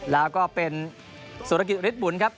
แล้วก็เป็นสุรกิจฤทธบุญครับ